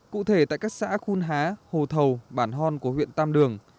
cụ thể tại các xã khuôn há hồ thầu bản hòn của huyện tam đường